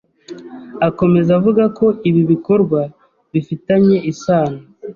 akomeza avuga ko ibi bikorwa bifitanye isano